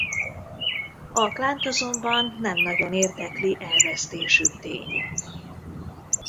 A klánt azonban nem nagyon érdekli elvesztésük ténye.